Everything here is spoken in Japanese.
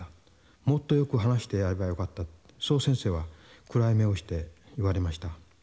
「もっとよく話してやればよかった」とそう先生は暗い目をして言われました。